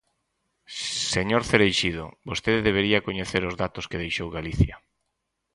Señor Cereixido, vostede debería coñecer os datos que deixou Galicia.